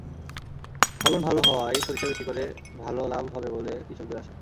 ফলন ভালো হওয়ায় সরিষা বিক্রি করে ভালো লাভ হবে বলে কৃষকদের আশা।